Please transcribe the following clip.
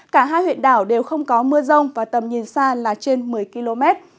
cả hai huyện đảo đều không có mưa rông và tầm nhìn xa là trên một mươi km